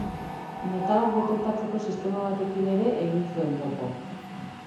Metalak detektatzeko sistema batekin ere egin zuten topo.